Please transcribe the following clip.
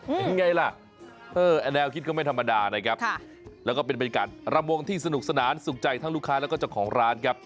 เห็นไงล่ะแนวคิดก็ไม่ธรรมดานะครับแล้วก็เป็นการรำวงที่สนุกสนานสุขใจทั้งลูกค้าแล้วก็เจ้าของร้านครับ